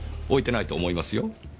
置いてないと思いますよ。